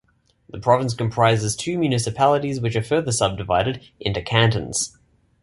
The province comprises two municipalities which are further subdivided into cantons.